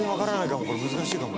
「これ難しいかも」